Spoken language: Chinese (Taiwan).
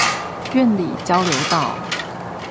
苑裡交流道